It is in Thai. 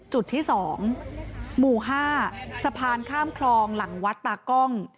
จุดที่๒หมู่๕สะพานข้ามคลองหลังวัดตากล้อง